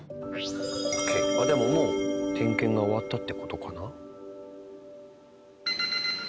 でももう点検が終わったって事かな？